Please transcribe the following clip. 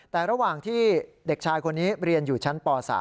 แต่ระหว่างที่เด็กชายคนนี้เรียนอยู่ชั้นป๓